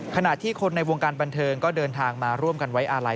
ขณะที่คนในวงการบันเทิงก็เดินทางมาร่วมกันไว้อาลัย